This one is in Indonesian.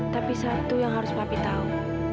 tapi satu yang harus papi tahu